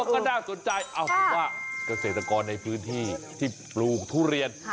ก็น่าสนใจเอาเป็นว่าเกษตรกรในพื้นที่ที่ปลูกทุเรียน